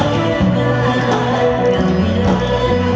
สวัสดีครับ